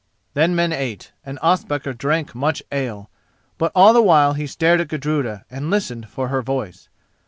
Then men ate and Ospakar drank much ale, but all the while he stared at Gudruda and listened for her voice.